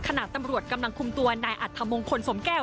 ขณะตำรวจกำลังคุมตัวนายอัธมงคลสมแก้ว